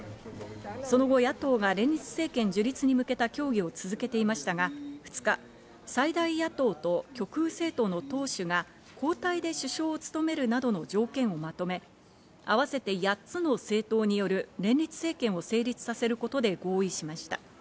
その後、野党が連立政権樹立に向けた協議を続けていましたが、２日、最大野党と極右政党の党首が交代で首相を務めるなどの条件をまとめ、合わせて８つの政党による連立政権を成立させることで合意しました。